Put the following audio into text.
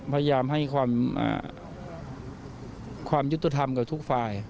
พยายามให้ความยุติธรรมกับทุกฝ่าย